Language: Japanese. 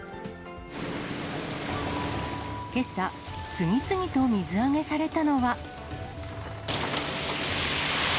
けさ、次々と水揚げされたのは。